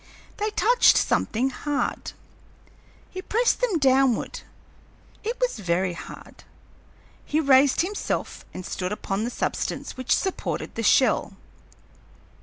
They touched something hard. He pressed them downward; it was very hard. He raised himself and stood upon the substance which supported the shell.